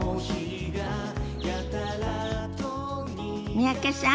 三宅さん